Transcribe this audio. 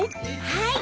はい。